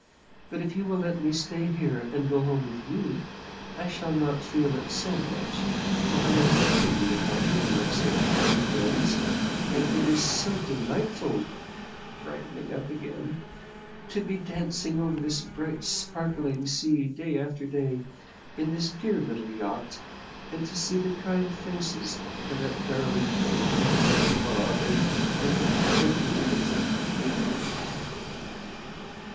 But if you will let me stay here and go home with you, I shall not feel it so much, for I am sure you will help me in my search for my friends; and it is so delightful," brightening up again "to be dancing over this bright, sparkling sea day after day, in this dear little yacht, and to see the kind faces of that darling old original Bob and and and the kitten."